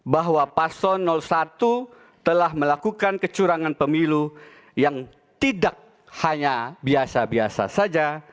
bahwa paslon satu telah melakukan kecurangan pemilu yang tidak hanya biasa biasa saja